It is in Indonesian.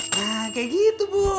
nah kayak gitu bu